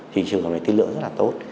thì trường hợp này tinh lưỡng rất là tốt